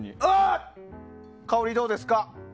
香りどうですか？